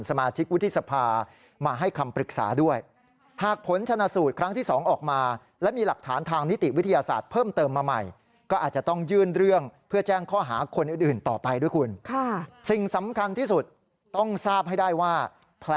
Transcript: สมาชิกวิทยาศาสตร์มาให้คำปรึกษาด้วย